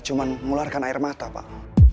cuman mularkan air mata pak